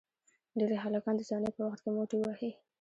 ډېری هلکان د ځوانی په وخت کې موټی وهي.